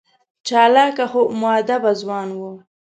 چالاکه خو مودبه ځوان و.